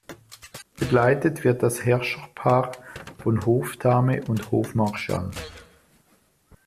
Begleitet wird das Herrscherpaar von Hofdame und Hofmarschall.